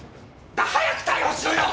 早く逮捕しろよ！